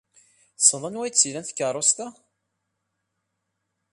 Tessneḍ anwa ay tt-ilan tkeṛṛust-a?